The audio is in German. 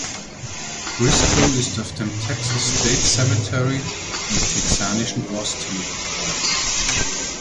Briscoe ist auf dem Texas State Cemetery im texanischen Austin begraben.